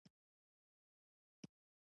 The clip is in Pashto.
او هم یې مال له غلو نه په امن کې وي.